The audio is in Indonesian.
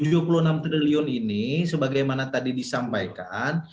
rp tujuh puluh enam triliun ini sebagaimana tadi disampaikan